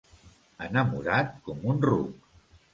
Enamorat com un ruc.